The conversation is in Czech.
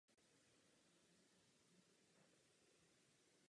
Působí škody na plantážích.